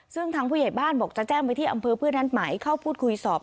ซึ่งทางผู้ใหญ่บ้านบอกจะแจ้งไปที่อำเภอเพื่อนนัดหมายเข้าพูดคุยสอบ